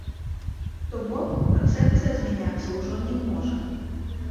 То бок, канцэпцыя змяняцца ўжо не можа.